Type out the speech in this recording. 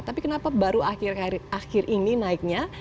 tapi kenapa baru akhir ini naiknya